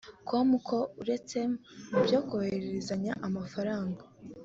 com ko uretse ibyo kohererezanya amafaranga